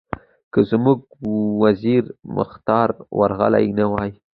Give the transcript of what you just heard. که زموږ وزیر مختار ورغلی نه وای.